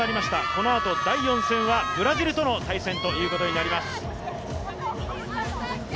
このあと第４戦はブラジルとの対戦ということになります。